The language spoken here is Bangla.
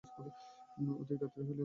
অধিক রাত্রি হইলে পথে কষ্ট হইবে।